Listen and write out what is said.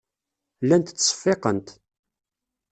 Llant ttseffiqent.